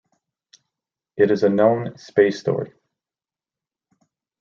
It is a Known Space story.